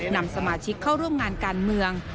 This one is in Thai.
นำสมาชิกเข้าร่วมงานการเมือง